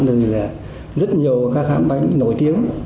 nơi là rất nhiều các hãng bánh nổi tiếng